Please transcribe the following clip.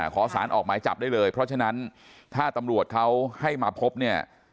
ขอสารออกหมายจับได้เลยเพราะฉะนั้นถ้าตำรวจเขาให้มาพบเนี่ย